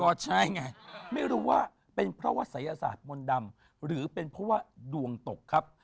ก็ใช่ไงไม่รู้ว่าเป็นเพราะว่าศัยศาสตร์มนต์ดำหรือเป็นเพราะว่าดวงตกครับ